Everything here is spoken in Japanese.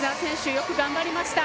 よく頑張りました。